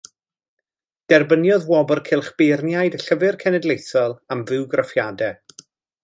Derbyniodd Wobr Cylch Beirniaid y Llyfr Cenedlaethol am Fywgraffiadau.